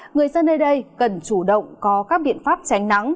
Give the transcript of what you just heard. người dân nơi đây cần chủ động có các biện pháp tránh nắng